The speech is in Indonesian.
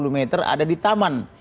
dua puluh meter ada di taman